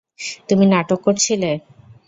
তুমি নাটক করছিলে?